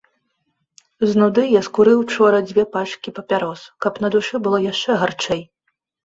З нуды я скурыў учора дзве пачкі папярос, каб на душы было яшчэ гарчэй.